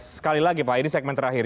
sekali lagi pak ini segmen terakhir